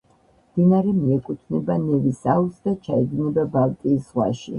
მდინარე მიეკუთვნება ნევის აუზს და ჩაედინება ბალტიის ზღვაში.